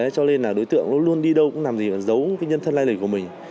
cho nên là đối tượng luôn đi đâu cũng làm gì giấu cái nhân thân lai lịch của mình